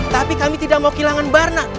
tapi kami tidak mau kehilangan barna